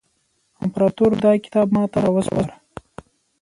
امپراطور دا کتاب ماته را وسپاره.